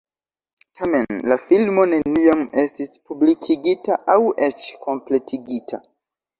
Tamen, la filmo neniam estis publikigita aŭ eĉ kompletigita.